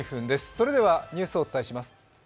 それではニュースをお伝えします。